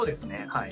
はい。